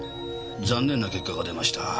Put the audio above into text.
残念な結果が出ました。